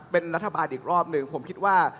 เป็นรัฐบาลอีกรอบหนึ่งผมคิดว่า